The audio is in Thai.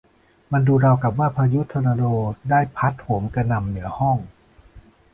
มันดูราวกับว่าพายุทอร์นาโดได้พัดโหมกระหน่ำเหนือห้อง